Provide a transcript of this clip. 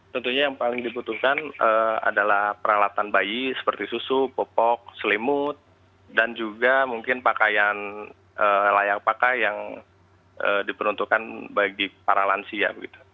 tentunya yang paling dibutuhkan adalah peralatan bayi seperti susu popok selimut dan juga mungkin pakaian layak pakai yang diperuntukkan bagi para lansia